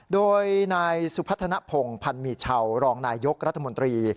โดยนายสุพัฒนภงพันธ์มีชาวรองนายยกรัฐมนตรี